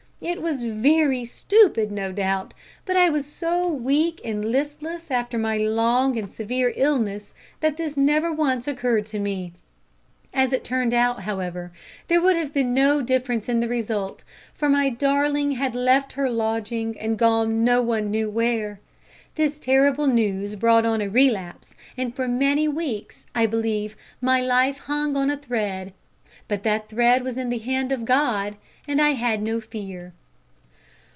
It was very stupid, no doubt, but I was so weak and listless after my long and severe illness that this never once occurred to me. As it turned out, however, there would have been no difference in the result, for my darling had left her lodging and gone no one knew where. This terrible news brought on a relapse, and for many weeks, I believe, my life hung on a thread. But that thread was in the hand of God, and I had no fear."